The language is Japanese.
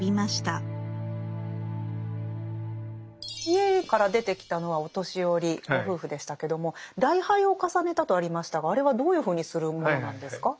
家から出てきたのはお年寄りご夫婦でしたけども「礼拝を重ねた」とありましたがあれはどういうふうにするものなんですか？